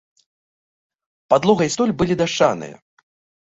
Падлога і столь былі дашчаныя.